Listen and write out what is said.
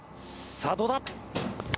さあどうだ？